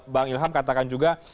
bang ilham katakan juga